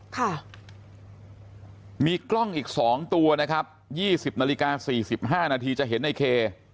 ค่ะมีกล้องอีกสองตัวนะครับยี่สิบนาฬิกาสี่สิบห้านาทีจะเห็นนายเค